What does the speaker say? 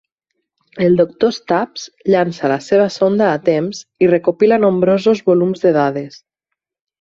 El doctor Stubbs llança la seva sonda a temps i recopila nombrosos volums de dades.